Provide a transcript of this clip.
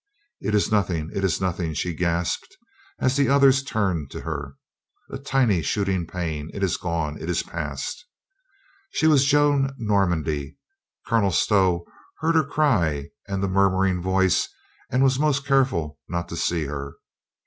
"It is nothing, it is nothing," she gasped as the others turned to her. "A tiny shooting pain. It is gone. It is past." She was Joan Normandy. Colo nel Stow heard her cry and the murmuring voice and was most careful not to see her.